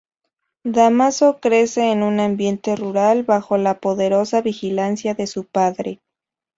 Dámaso crece en un ambiente rural, bajo la poderosa vigilancia de su padre.